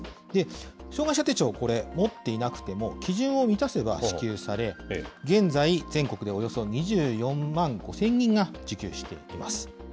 障害者手帳、これ、持っていなくても、基準を満たせば支給され、現在、全国でおよそ２４万５０００人が受給しています。